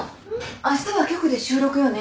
あしたは局で収録よね？